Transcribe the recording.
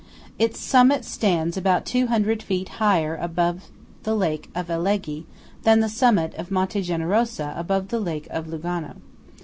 Its summit stands about 200 feet higher above the lake of Alleghe than the summit of Monte Generosa above the lake of Lugano.